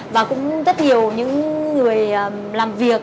và cũng rất nhiều những người làm việc